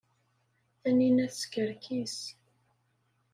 Taninna teskerkis.